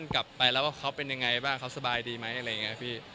กลับไปแล้วว่าเขาเป็นยังไงบ้างเขาสบายดีไหมอะไรอย่างนี้พี่